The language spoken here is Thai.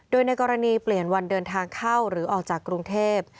โดยในกรณีเปลี่ยนวันเดินทางเข้าหรือออกจากกรุงเทพ